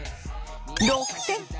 ６点！